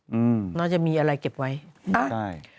อืมน่าจะมีอะไรเก็บไว้อ่าใช่